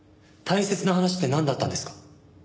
大切な話ってなんだったんですか？